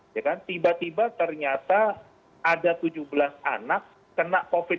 ya kan tiba tiba ternyata ada tujuh belas anak kena covid sembilan belas